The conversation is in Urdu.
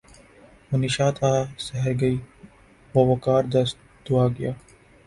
وہ نشاط آہ سحر گئی وہ وقار دست دعا گیا